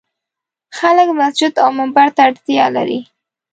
خلک مسجد او منبر ته اړتیا لري.